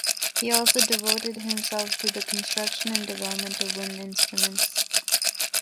He also devoted himself to the construction and development of wind instruments.